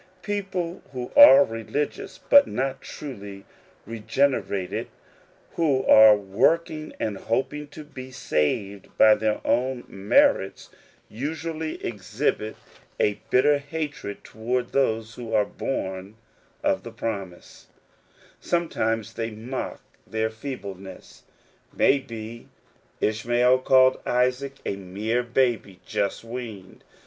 People who are religious but not truly regenerated, who are working and hoping to be{ saved by their own merits, usually exhibit a bitter Persecution Consequent on the Promise. 27 hatred towards those who are bom of the promise. Sometimes tjiey mock their feebleness. May be Ishmael called Isaac a mere baby, just weaned.